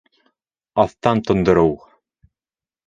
Аҫтан тондороу